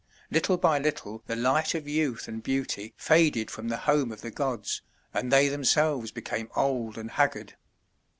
Little by little the light of youth and beauty faded from the home of the gods, and they themselves became old and haggard.